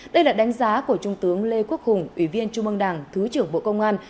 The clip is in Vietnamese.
đây là đánh giá của trung tướng lê quốc hùng ủy viên trung mương đảng thứ trưởng bộ công an